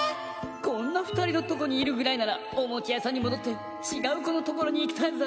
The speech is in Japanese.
「こんなふたりのとこにいるぐらいならおもちゃやさんにもどってちがうこのところにいきたいぜ」。